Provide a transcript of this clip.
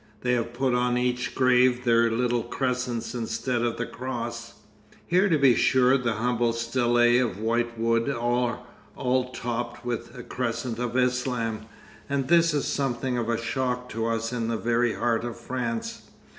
They have put on each grave their little crescents instead of the cross." Here to be sure the humble stelae of white wood are all topped with the crescent of Islam, and this is something of a shock to us in the very heart of France.